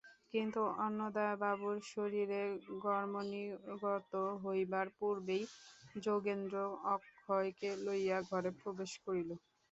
কিন্তু অন্নদাবাবুর শরীরে ঘর্ম নির্গত হইবার পূর্বেই যোগেন্দ্র অক্ষয়কে লইয়া ঘরে প্রবেশ করিল।